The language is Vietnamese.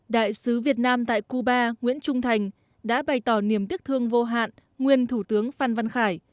đại sứ việt nam tại cuba nguyễn trung thành đã bày tỏ niềm tiếc thương vô hạn nguyên thủ tướng phan văn khải